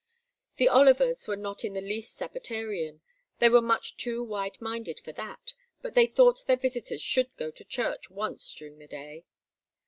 The Olivers were not in the least sabbatarian, they were much too wide minded for that, but they thought their visitors should go to church once during the day.